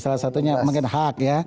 salah satunya mungkin hak ya